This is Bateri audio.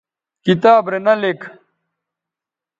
کتاب رے نہ لِک